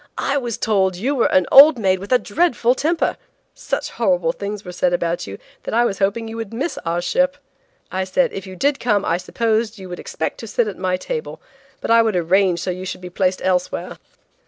"I was told that you were an old maid with a dreadful temper. Such horrible things were said about you that I was hoping you would miss our ship. I said if you did come I supposed you would expect to sit at my table, but I would arrange so you should be placed elsewhere."